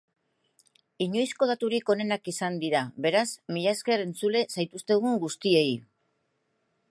Inoizko daturik onenak izan dira, beraz, mila esker entzule zaituztegun guztiei.